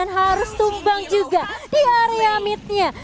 terus tumbang juga di area midnya